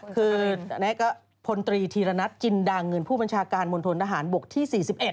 คือพนตรีธีระนัทจินดังผู้บัญชาการมนตรฐานบกที่๔๑